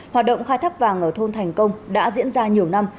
hoạt động khai thác vàng ở thôn thành công đã diễn ra nhiều năm